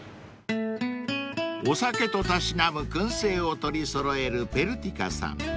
［お酒とたしなむ燻製を取り揃えるＰＥＲＴＩＣＡさん］